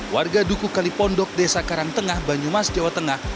warga duku kalipondok desa karangtengah banyumas jawa tengah